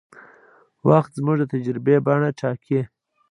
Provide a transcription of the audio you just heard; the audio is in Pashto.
وخت زموږ د تجربې بڼه ټاکي.